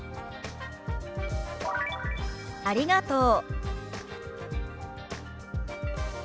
「ありがとう」。